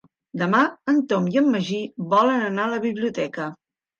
Demà en Tom i en Magí volen anar a la biblioteca.